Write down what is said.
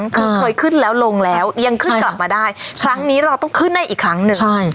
คือเคยขึ้นแล้วลงแล้วยังขึ้นกลับมาได้ครั้งนี้เราต้องขึ้นให้อีกครั้งหนึ่งใช่